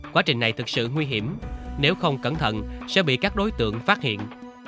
quá trình này thực sự nguy hiểm nếu không cẩn thận sẽ bị các đối tượng phát hiện